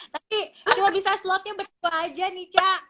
tapi cuma bisa slotnya berdua aja nih cak